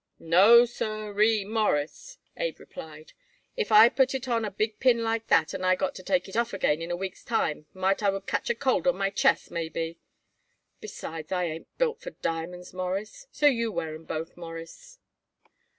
"No, siree, Mawruss," Abe replied. "If I put it on a big pin like that and I got to take it off again in a week's time might I would catch a cold on my chest, maybe. Besides, I ain't built for diamonds, Mawruss. So, you wear 'em both, Mawruss."